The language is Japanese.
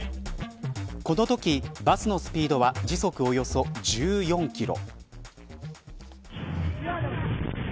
このときバスのスピードは時速およそ１４キロ。